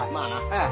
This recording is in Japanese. ええ。